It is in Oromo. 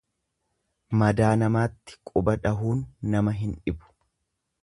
Madaa namaatti quba dhahuun nama hin dhibu.